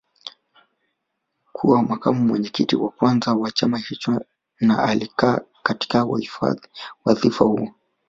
Kuwa makamu mwenyekiti wa kwanza wa chama hicho na alikaa katika wadhifa huo